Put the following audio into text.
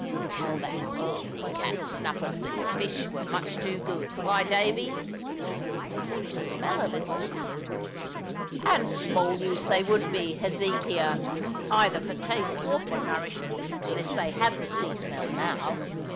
"Tell that worldly 'Cat and Snuffers' that your fish were much too good why, Davy, they seem to smell a little!" "And small use they would be, Hezekiah, either for taste or for nourishment, unless they had the sea smell now.